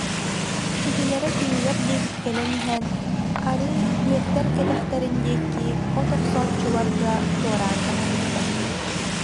Киһилэрэ кинилэр диэки кэлэн иһэн, арыы үөттэр кэтэхтэрин диэки от охсооччуларга туораан тахсыбыта